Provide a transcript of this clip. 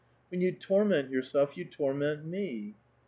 When you torment yourself, you torment me."